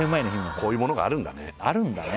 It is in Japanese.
こういう物があるんだねあるんだね